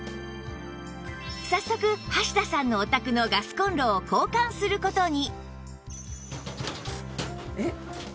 早速橋田さんのお宅のガスコンロを交換する事に